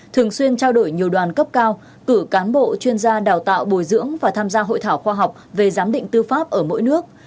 thường xuyên trao đổi nhiều đoàn cấp cao cử cán bộ chuyên gia đào tạo bồi dưỡng và tham gia hội thảo khoa học về giám định tư pháp ở mỗi nước